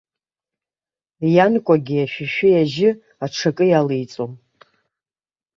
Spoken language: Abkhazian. Ианкәагьы ашәишәи ажьы аҽакы иалеиҵом.